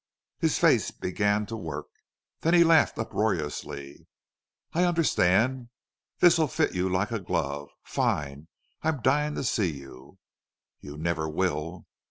His face began to work. Then he laughed uproariously. "I under stand. This'll fit you like a glove.... Fine! I'm dying to see you." "You never will."